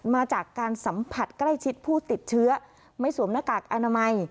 มาจากการสัมผัสใกล้ชิดผู้ติดเชื้อไม่สวมหน้ากากอนามัย